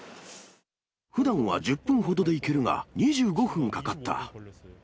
ふだんは１０分ほどで行けるが、２５分かかった。